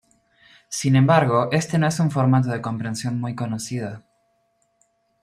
Sin embargo, este no es un formato de compresión muy conocido.